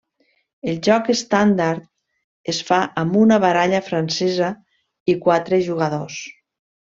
El joc estàndard es fa amb una baralla francesa i quatre jugadors.